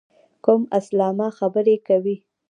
کوم اسلامه خبرې کوې.